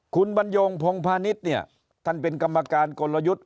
คุณบรรยงพงพาณิชย์เนี่ยท่านเป็นกรรมการกลยุทธ์